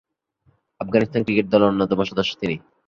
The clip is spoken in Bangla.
আফগানিস্তান ক্রিকেট দলের অন্যতম সদস্য তিনি।